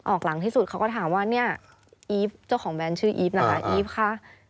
หลังที่สุดเขาก็ถามว่าเนี่ยอีฟเจ้าของแบรนด์ชื่ออีฟนะคะอีฟคะ